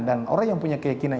orang yang punya keyakinan